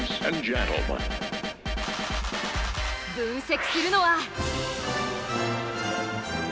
分析するのは。